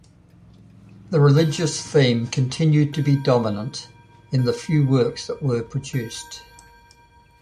The religious theme continued to be dominant in the few works that were produced.